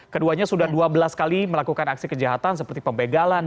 keduanya sudah dua belas kali melakukan aksi kejahatan seperti pembegalan